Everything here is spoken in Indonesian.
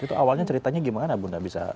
itu awalnya ceritanya gimana bunda bisa